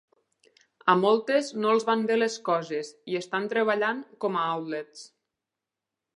A moltes no els van bé les coses i estan treballant com a outlets.